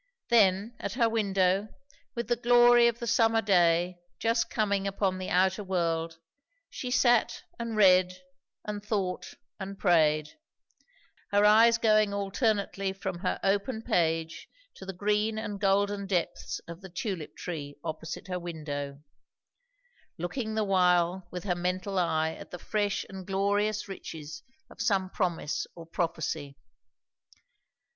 Then, at her window, with the glory of the summer day just coming upon the outer world, she sat and read and thought and prayed; her eyes going alternately from her open page to the green and golden depths of the tulip tree opposite her window; looking the while with her mental eye at the fresh and glorious riches of some promise or prophecy.